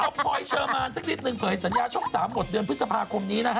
พลอยเชอร์มานสักนิดนึงเผยสัญญาช่อง๓หมดเดือนพฤษภาคมนี้นะฮะ